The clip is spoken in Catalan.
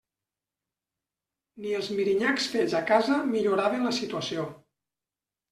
Ni els mirinyacs fets a casa milloraven la situació.